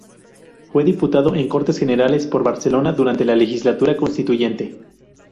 Fue Diputado en Cortes Generales por Barcelona durante la Legislatura Constituyente.